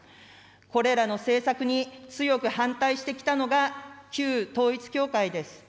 これらの政策に強く反対してきたのが旧統一教会です。